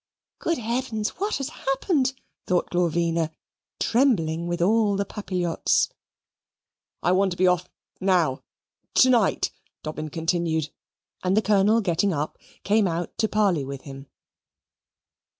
"Good heavens, what has happened!" thought Glorvina, trembling with all the papillotes. "I want to be off now to night," Dobbin continued; and the Colonel getting up, came out to parley with him.